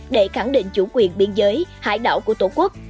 để khẳng định chủ quyền biên giới hải đảo của tổ quốc